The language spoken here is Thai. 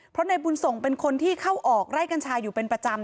เพราะนายบุญส่งเป็นคนที่เข้าออกไร่กัญชาอยู่เป็นประจำ